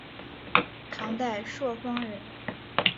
唐代朔方人。